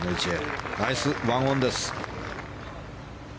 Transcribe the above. ナイス１オンです。